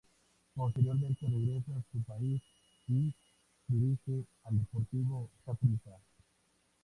Posteriormente regresa a su país y dirige al Deportivo Saprissa.